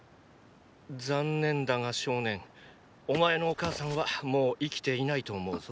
残念だが少年お前のお母さんはもう生きていないと思うぞ。